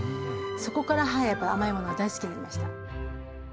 そこからはいやっぱ甘いものが大好きになりました。